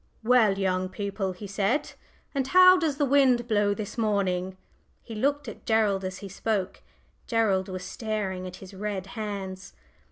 "Well, young people," he said, "and how does the wind blow this morning?" He looked at Gerald as he spoke. Gerald was staring at his red hands.